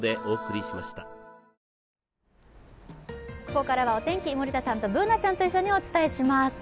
ここからはお天気、森田さんとＢｏｏｎａちゃんと一緒にお伝えします。